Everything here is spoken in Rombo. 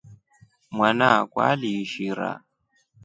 Mwana akwa aliishira.